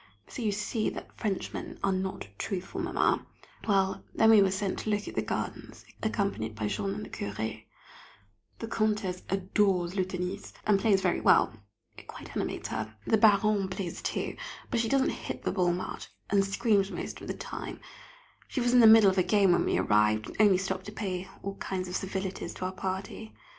So you see that Frenchmen are not truthful, Mamma! Well then we were sent to look at the gardens, accompanied by Jean and the Curé. [Sidenote: An Untruthful Frenchman] The Comtesse "adores" le tennis, and plays very well, it quite animates her. The Baronne plays too, but she doesn't hit the ball much, and screams most of the time; she was in the middle of a game when we arrived, and only stopped to pay all kinds of civilities to our party.